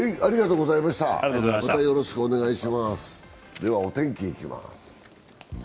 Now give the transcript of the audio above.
ではお天気いきます。